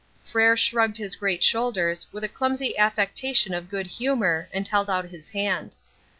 Frere shrugged his great shoulders with a clumsy affectation of good humour, and held out his hand.